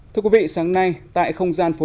thưa quý vị sáng nay tại không gian phố